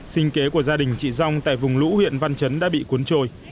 sinh kế của gia đình chị dòng tại vùng lũ huyện văn chấn đã bị cuốn trôi